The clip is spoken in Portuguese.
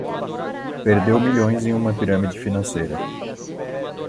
Perdeu milhões em uma pirâmide financeira